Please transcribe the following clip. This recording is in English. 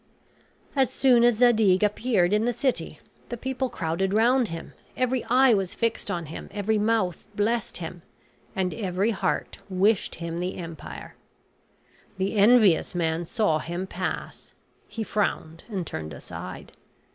As soon as Zadig appeared in the city the people crowded round him; every eye was fixed on him; every mouth blessed him, and every heart wished him the empire. The envious man saw him pass; he frowned and turned aside.